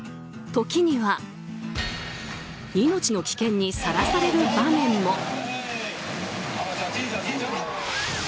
時には命の危険にさらされる場面も。